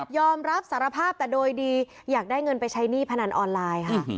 อมรับสารภาพแต่โดยดีอยากได้เงินไปใช้หนี้พนันออนไลน์ค่ะ